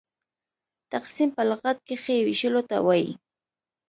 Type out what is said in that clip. تقسيم په لغت کښي وېشلو ته وايي.